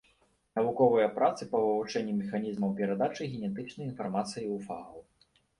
Навуковыя працы па вывучэнні механізмаў перадачы генетычнай інфармацыі ў фагаў.